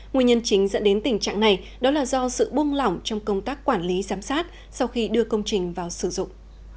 nguyên nhân chính dẫn đến tình trạng này đó là do sự buông lỏng trong công tác quản lý giám sát sau khi đưa công trình vào sử dụng